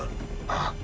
あっ。